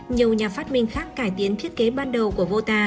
nhiều nhà phát minh khác cải tiến thiết kế ban đầu